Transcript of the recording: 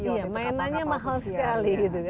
iya mainannya mahal sekali gitu kan